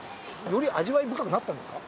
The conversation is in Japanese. より味わい深くなったんですか？